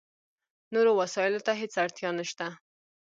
نورو وسایلو ته هېڅ اړتیا نشته.